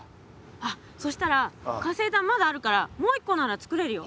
あっそしたら活性炭まだあるからもう一個ならつくれるよ。